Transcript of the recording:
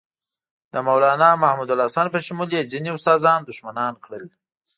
د مولنا محمودالحسن په شمول یې ځینې استادان دښمنان کړل.